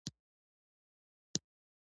ډاکټر په ټولنه کې ښه نوم لري.